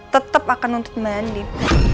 tetep akan nuntut mbak andien